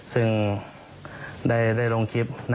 ซึ่งได้ลงคลิป